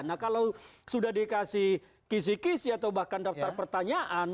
nah kalau sudah dikasih kisi kisi atau bahkan daftar pertanyaan